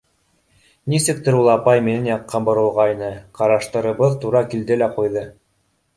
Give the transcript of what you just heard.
Нисектер ул апай минең яҡҡа боролғайны, ҡараштарыбыҙ тура килде лә ҡуйҙы.